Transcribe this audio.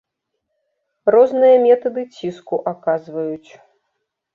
Розныя метады ціску аказваюць.